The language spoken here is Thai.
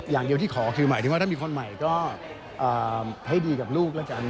อย่างเดียวที่ขอคือหมายถึงว่าถ้ามีคนใหม่ก็ให้ดีกับลูกแล้วกัน